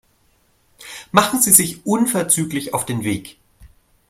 Machen Sie sich unverzüglich auf den Weg.